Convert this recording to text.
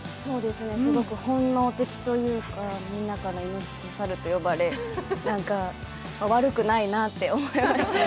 すごく本能的というか、みんなからいのしし、さると呼ばれ悪くないなぁって思いました。